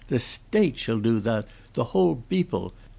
"The State shall do that the whole beople.